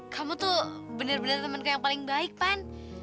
kamu tuh bener bener temen yang paling baik pan